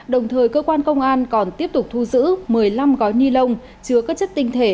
đồng thời cơ quan công an còn tiếp tục thu giữ một mươi năm gói ni lông chứa các chất tinh thể